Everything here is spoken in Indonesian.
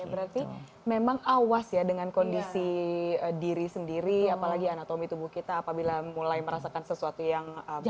berarti memang awas ya dengan kondisi diri sendiri apalagi anatomi tubuh kita apabila mulai merasakan sesuatu yang baik